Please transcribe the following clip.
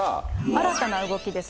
新たな動きです。